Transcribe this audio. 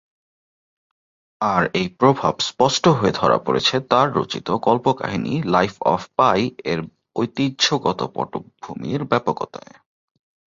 আর এই প্রভাব স্পষ্ট হয়ে ধরা পড়েছে তার রচিত কল্প-কাহিনী "লাইফ অফ পাই" এর ঐতিহ্যগত পটভূমির ব্যাপকতায়।